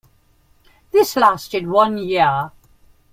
This lasted one year.